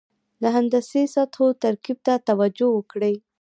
د هندسي سطحو ترکیب ته توجه وکړئ.